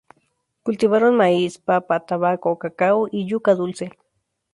Cultivaron maíz, papa, tabaco, cacao, y yuca dulce.